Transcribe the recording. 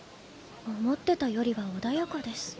思ってたよりは穏やかです